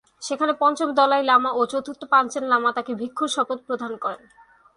সেখানে পঞ্চম Dalai Lama ও চতুর্থ পাঞ্চেন লামা তাকে ভিক্ষুর শপথ প্রদান করেন।